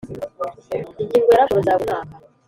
Ingingo ya Raporo za buri mwaka.